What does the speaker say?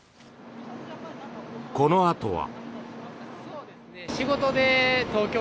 このあとは。